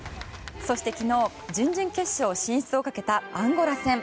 そして昨日、準々決勝進出をかけたアンゴラ戦。